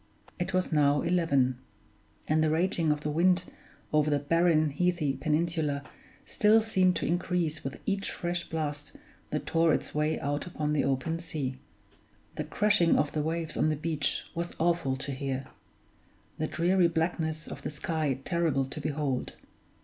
It was now eleven; and the raging of the wind over the barren, heathy peninsula still seemed to increase with each fresh blast that tore its way out upon the open sea; the crashing of the waves on the beach was awful to hear; the dreary blackness of the sky terrible to behold.